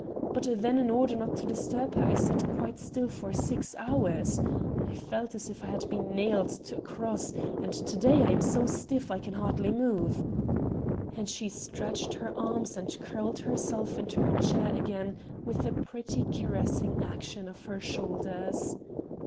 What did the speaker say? But then in order not to disturb her I sat quite still for six hours. I felt as if I had been nailed to a cross and to day I am so stiff I can hardly move." And she stretched her arms and curled herself into her chair again with a pretty caressing action of her shoulders.